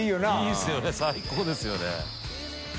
いいですよね最高ですよねⅣ